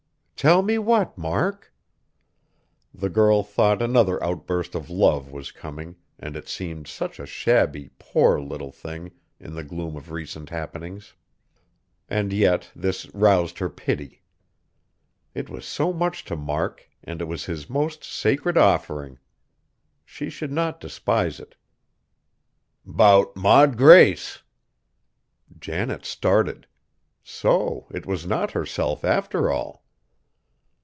"Tell me what, Mark?" The girl thought another outburst of love was coming and it seemed such a shabby, poor little thing, in the gloom of recent happenings. And yet this roused her pity. It was so much to Mark, and it was his most sacred offering. She should not despise it. "'Bout Maud Grace!" Janet started. So it was not herself after all!